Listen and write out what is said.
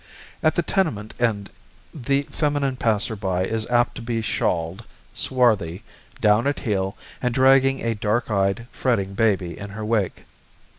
At the tenement end the feminine passer by is apt to be shawled, swarthy, down at the heel, and dragging a dark eyed, fretting baby in her wake.